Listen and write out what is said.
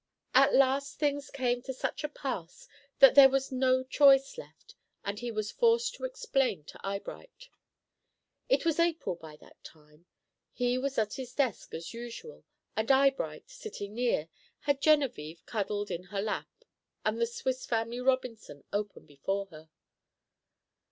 At last things came to such a pass that there was no choice left, and he was forced to explain to Eyebright. It was April by that time. He was at his desk as usual, and Eyebright, sitting near, had Genevieve cuddled in her lap, and the "Swiss Family Robinson" open before her.